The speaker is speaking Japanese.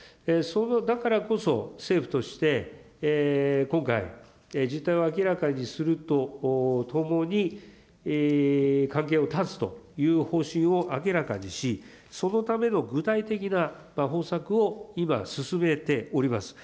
だからこそ、政府として今回、実態を明らかにするとともに関係を断つという方針を明らかにし、そのための具体的な方策を今、進めております。